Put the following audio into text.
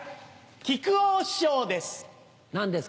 木久扇師匠です。